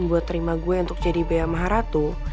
buat terima gue untuk jadi bea maharatu